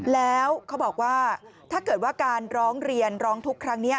แล้วเขาบอกว่าถ้าเกิดว่าการร้องเรียนร้องทุกข์ครั้งนี้